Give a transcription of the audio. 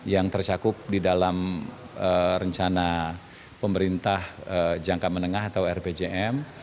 yang tercakup di dalam rencana pemerintah jangka menengah atau rpjm